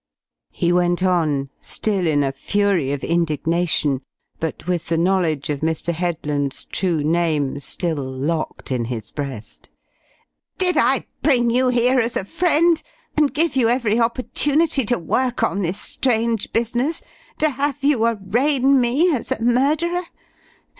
He went on, still in a fury of indignation, but with the knowledge of Mr. Headland's true name still locked in his breast. "Did I bring you here as a friend and give you every opportunity to work on this strange business, to have you arraign me as a murderer?